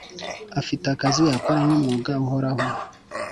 afite akazi akora nk’umwuga uhoraho